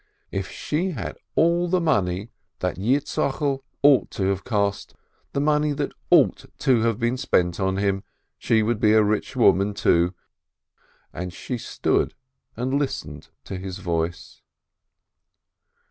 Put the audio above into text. If she had all the money that Yitzchokel ought to have cost, the money that ought to have been spent on him, she would be a rich woman too, and she stood and listened to his voice.